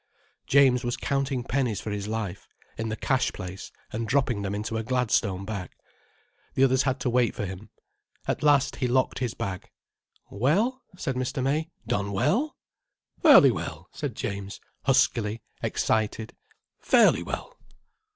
James was counting pennies for his life, in the cash place, and dropping them into a Gladstone bag. The others had to wait for him. At last he locked his bag. "Well," said Mr. May, "done well?" "Fairly well," said James, huskily excited. "Fairly well."